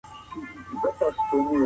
ښه خبره خوښي راولي